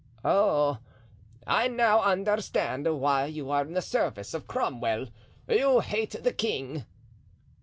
"Oh! I now understand why you are in the service of Cromwell; you hate the king."